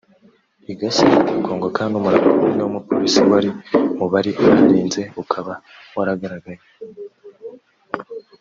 igashya igakongoka n’umurambo umwe w’umupolisi wari mu bari baharinze ukaba waragaragaye